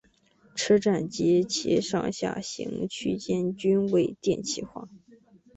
车站及其上下行区间均未电气化。